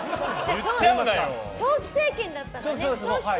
長期政権だったからね。